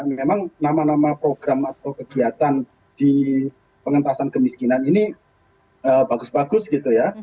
memang nama nama program atau kegiatan di pengentasan kemiskinan ini bagus bagus gitu ya